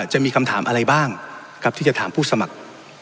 จะมีคำถามอะไรบ้างครับที่จะถามผู้สมัคร